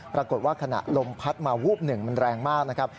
ปรากฏว่าขณะลมพัดมาวูบหนึ่งมันแรงมากนะครับ